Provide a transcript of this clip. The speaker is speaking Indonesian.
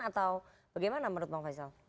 atau bagaimana menurut bang faisal